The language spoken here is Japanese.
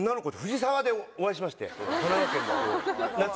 神奈川県の。